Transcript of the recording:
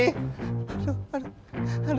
aduh aduh aduh